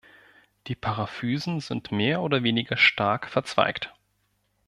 Die Paraphysen sind mehr oder weniger stark verzweigt.